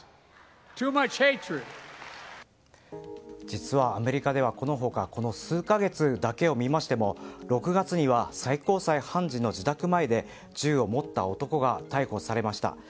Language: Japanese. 実はアメリカでは、この他この数か月だけを見ましても６月には最高裁判事の自宅前で銃を持った男が逮捕されました。